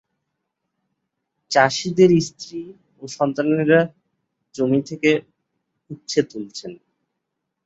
চাষিদের স্ত্রী ও সন্তানেরা জমি থেকে উচ্ছে তুলছেন।